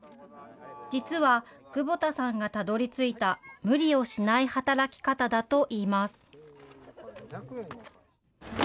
実は、久保田さんがたどりついた無理をしない働き方だといいます。